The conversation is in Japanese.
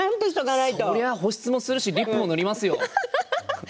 そりゃあ、保湿もするしリップも塗りますよ。